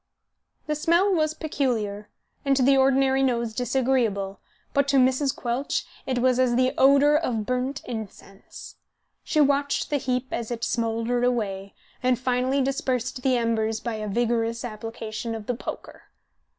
The smell was peculiar, and to the ordinary nose disagreeable, but to Mrs. Quelch it was as the odour of burnt incense. She watched the heap as it smouldered away, and finally dispersed the embers by a vigorous application of the poker.